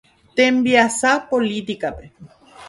Tembiasa políticape.